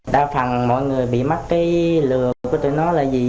đa phần mọi người bị mắc cái lừa của tụi nó là gì